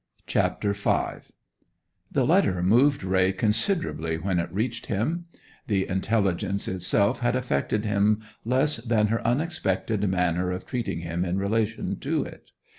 CHAPTER V The letter moved Raye considerably when it reached him. The intelligence itself had affected him less than her unexpected manner of treating him in relation to it.